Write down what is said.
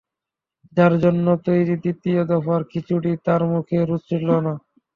তাঁর জন্য তৈরি দ্বিতীয় দফার খিচুড়ি তাঁর মুখে রুচল না।